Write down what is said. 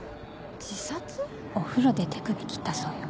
自殺？お風呂で手首切ったそうよ。